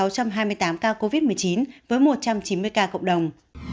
ca covid một mươi chín với một trăm chín mươi ca cộng đồng